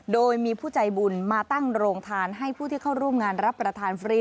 โดยมีผู้ใจบุญมาตั้งโรงทานให้ผู้ที่เข้าร่วมงานรับประทานฟรี